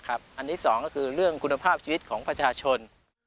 อันนี้๒ก็คือเรื่องคุณภาพชีวิตของประชาชน